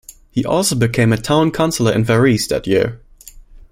He also became a town councilor in Varese that year.